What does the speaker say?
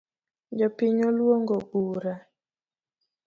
Jopiny oluongo bura